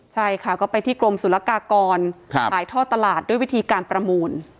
ใช่ค่ะก็ไปที่กรมศุลกากรขายท่อตลาดด้วยวิธีการประมูล